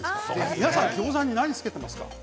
皆さんギョーザに何をつけていますか？